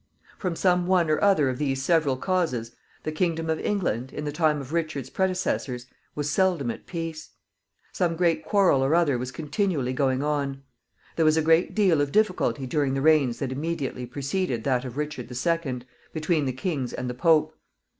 From some one or other of these several causes, the kingdom of England, in the time of Richard's predecessors, was seldom at peace. Some great quarrel or other was continually going on. There was a great deal of difficulty during the reigns that immediately preceded that of Richard the Second between the kings and the Pope.